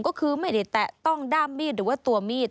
ก็คือไม่ได้แตะต้องด้ามมีดหรือว่าตัวมีด